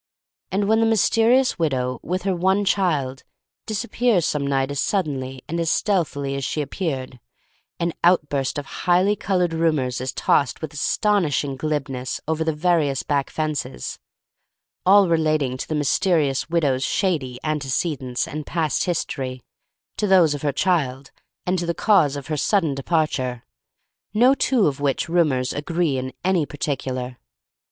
And when the mysterious widow, with her one child, disappears some night as sud denly and as stealthily as she appeared, an outburst of highly colored rumors is tossed with astonishing glibness over the various back fences — all relating to the mysterious widow's shady ante cedents and past history, to those of her child, and to the cause of her sudden departure, — no two of which rumors agree in any particular.